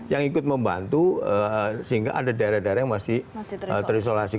yang ikut membantu sehingga ada daerah daerah yang masih terisolasi